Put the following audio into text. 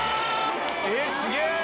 えっすげえ！